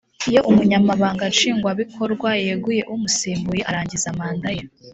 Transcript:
iyo umunyamabanga nshingwabikorwa yeguye umusimbuye arangiza manda ye.